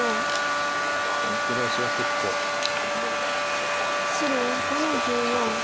そこに黒石が結構きますけども外に。